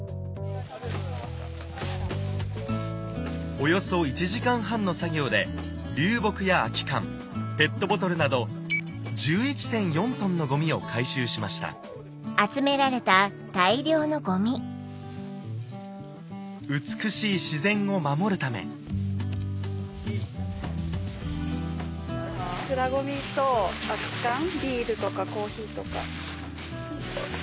・およそ１時間半の作業で流木や空き缶ペットボトルなど１１．４ｔのゴミを回収しました美しい自然を守るためプラゴミと空き缶ビールとかコーヒーとか。